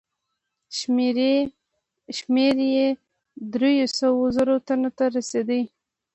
شمېر یې دریو سوو زرو تنو ته رسېدی.